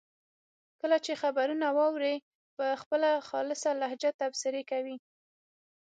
کله چې خبرونه واوري په خپله خالصه لهجه تبصرې کوي.